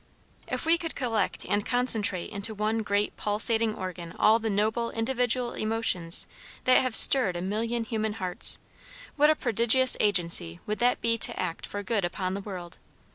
If we could collect and concentrate into one great pulsating organ all the noble individual emotions that have stirred a million human hearts, what a prodigious agency would that be to act for good upon the world!